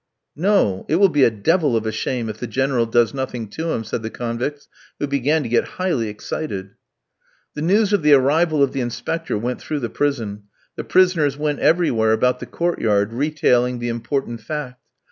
"No! It will be a devil of a shame if the General does nothing to him," said the convicts, who began to get highly excited. The news of the arrival of the Inspector went through the prison. The prisoners went everywhere about the court yard retailing the important fact.